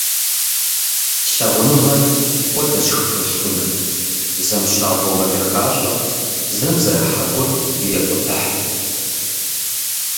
Лъагъуныгъэр хуэдэщ хы толъкъуным, зэм щабэу мэдэхащӏэ, зэм зэрыхьа гур ирекъутыхь.